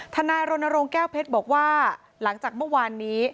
นายรณรงค์แก้วเพชรบอกว่าหลังจากเมื่อวานนี้